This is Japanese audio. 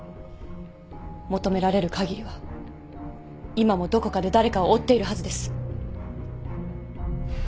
求められるかぎりは今もどこかで誰かを追っているはずです。